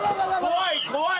怖い怖い。